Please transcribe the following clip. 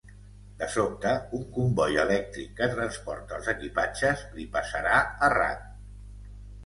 De sobte, una comboi elèctric que transporta els equipatges li passarà arran.